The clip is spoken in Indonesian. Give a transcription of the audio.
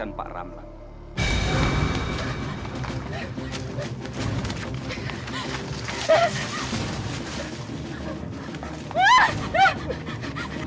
jangan ada apa apa ini born setaka